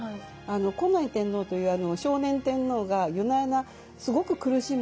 近衛天皇という少年天皇が夜な夜なすごく苦しむんですね。